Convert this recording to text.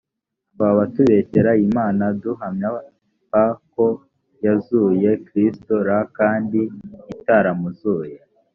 twaba tubeshyera imana duhamya p ko yazuye kristo r kandi itaramuzuye